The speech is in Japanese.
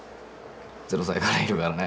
０歳からいるからね。